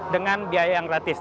dengan biaya yang gratis